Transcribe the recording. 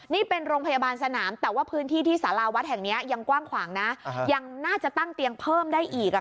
นี่เป็นโรงพยาบาลสนามแต่ว่าพื้นที่ที่สาราวัดแห่งนี้ยังกว้างขวางนะยังน่าจะตั้งเตียงเพิ่มได้อีก